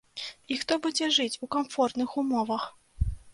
І хто будзе жыць у камфортных умовах?